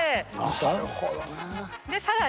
なるほどね。